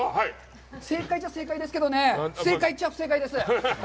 正解っちゃ正解ですけどね、不正解っちゃ不正解です。